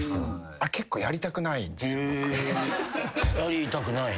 あれやりたくない。